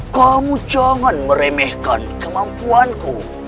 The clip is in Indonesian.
kamu jangan meremehkan kemampuanku